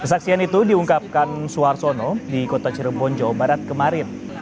kesaksian itu diungkapkan suarsono di kota cirebon jawa barat kemarin